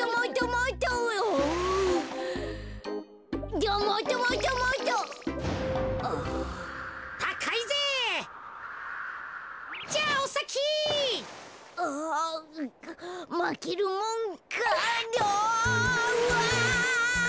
うわ！